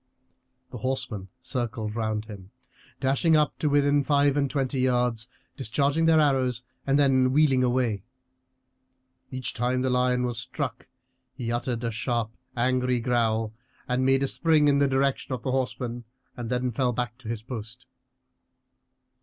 The horsemen circled round him, dashing up to within five and twenty yards, discharging their arrows, and then wheeling away. Each time the lion was struck he uttered a sharp, angry growl, and made a spring in the direction of the horsemen, and then fell back to his post.